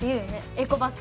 エコバッグ。